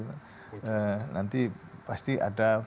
nanti pasti ada